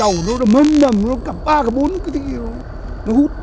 tàu nó mất nằm nó cả ba cả bốn cái gì đó nó hút